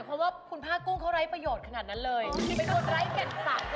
เลี้ยงไว้ทำอะไรฮะอยู่ข้างนอกฮะผมกั้นหลัวไว้